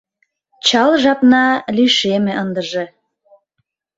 Чал жапна лишеме ындыже.